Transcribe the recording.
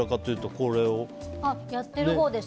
やってるほうです。